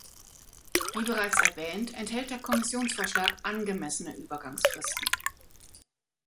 Wie bereits erwähnt, enthält der Kommissionsvorschlag angemessene Übergangsfristen.